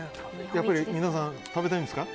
やっぱり皆さん、食べたいんですか？